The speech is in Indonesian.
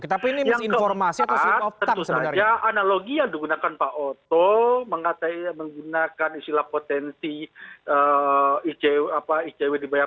tapi itulah misi informasi atauavi slip of tongue sebenarnya